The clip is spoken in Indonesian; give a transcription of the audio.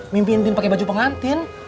mimpiinin pake baju pengantin